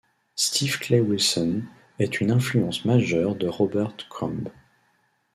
Steve Clay Wilson est une influence majeure de Robert Crumb.